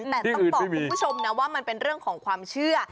แต่ต้องบอกคุณผู้ชมนะว่ามันเป็นเรื่องของความเชื่อ